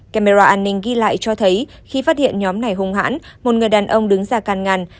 camera an ninh ghi lại cho thấy khi phát hiện nhóm này hung hãn một người đàn ông đứng ra can ngăn